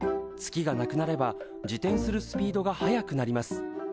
月がなくなれば自転するスピードが速くなります。